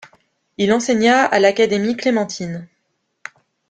Il enseigna à l'Académie clémentine.